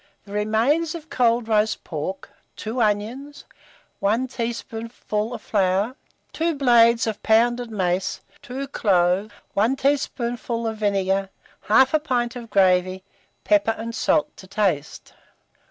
The remains of cold roast pork, 2 onions, 1 teaspoonful of flour, 2 blades of pounded mace, 2 cloves, 1 tablespoonful of vinegar, 1/2 pint of gravy, pepper and salt to taste.